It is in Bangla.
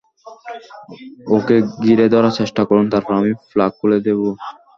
ওকে ঘিরে ধরার চেষ্টা করুন, তারপর আমি প্লাগ খুলে দেবো।